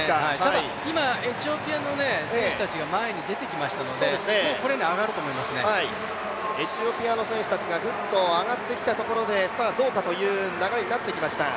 今、エチオピアの選手たちが前に出てきましたのでエチオピアの選手がスッと上がってきたところでさあどうかという流れになってきました。